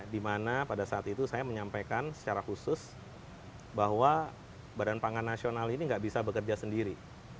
dimana pada saat itu saya menyampaikan secara khusus bahwa badan pangan nasional ini nggak bisa bekerja sendiri